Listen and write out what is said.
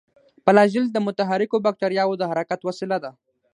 فلاجیل د متحرکو باکتریاوو د حرکت وسیله ده.